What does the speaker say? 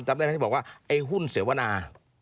จำได้ไหมที่บอกว่าไอ้หุ้นเสวนา